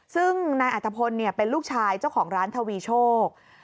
ซึ่งนายอัตภพลเป็นลูกชายเจ้าของร้านทวีโชค